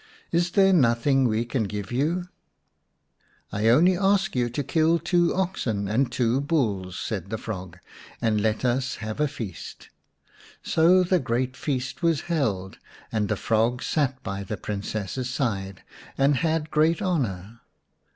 "Is there nothing we can give you? 192 xvi The Fairy Frog " I only ask you to kill two oxen and two bulls," said the frog, " and let us have a feast." So a great feast was held, and the frog sat by the Princess's side and had great honour.